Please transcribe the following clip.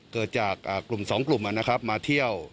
เกิดจากกลุ่มสองกลุ่มอ่ะนะครับมาเที่ยว